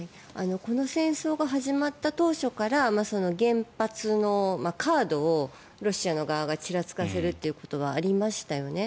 この戦争が始まった当初から、原発のカードをロシア側がちらつかせることはありましたよね。